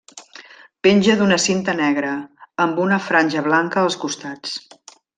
Penja d'una cinta negra, amb una franja blanca als costats.